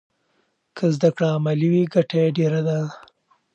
که زده کړه عملي وي ګټه یې ډېره ده.